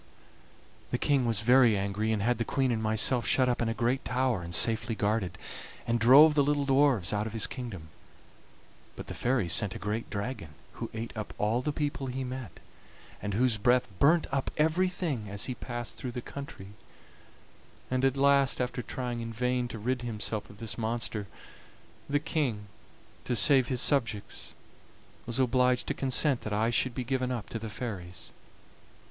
The King was very angry, and had the Queen and myself shut up in a great tower and safely guarded, and drove the little dwarfs out of his kingdom; but the fairies sent a great dragon who ate up all the people he met, and whose breath burnt up everything as he passed through the country; and at last, after trying in vain to rid himself of this monster, the King, to save his subjects, was obliged to consent that I should be given up to the fairies.